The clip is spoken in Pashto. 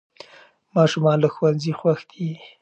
ماشومان له ښوونځي خوښ دي.